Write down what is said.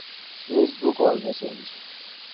face بک اور messenger